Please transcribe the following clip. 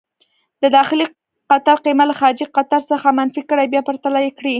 د داخلي قطر قېمت له خارجي قطر څخه منفي کړئ، بیا پرتله یې کړئ.